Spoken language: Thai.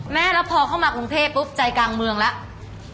แม่แล้วพอเข้ามากรุงเทพปุ๊บใจกลางเมืองแล้ว